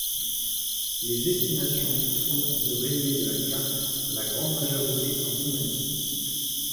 Les estimations sont de rayés de la carte, la grande majorité en Roumanie.